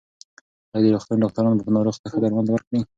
ایا د روغتون ډاکټران به ناروغ ته ښه درمل ورکړي؟